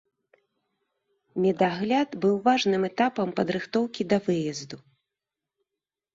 Медагляд быў важным этапам падрыхтоўкі да выезду.